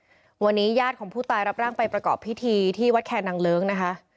วันนี้ญาติของผู้ตายรับร่างไปประกอบพิธีที่วัดแคนนางเลิ้งนะคะ